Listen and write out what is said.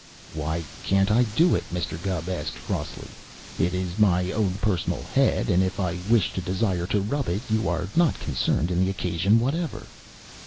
"Why can't I do it?" Mr. Gubb asked crossly. "It is my own personal head, and if I wish to desire to rub it, you are not concerned in the occasion whatever."